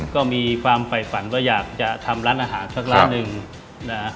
ก็มีความฝ่ายฝันว่าอยากจะทำร้านอาหารสักร้านหนึ่งนะฮะ